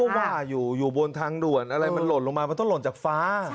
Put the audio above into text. ว่าอยู่อยู่บนทางด่วนอะไรมันหล่นลงมามันต้องหล่นจากฟ้า